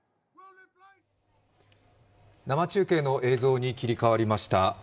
生中継の映像に切り替わりました。